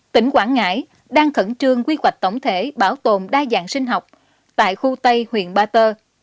tỉnh quảng ngãi đang khẩn trương quy hoạch tổng thể bảo tồn đa dạng sinh học tại khu tây huyện ba tơ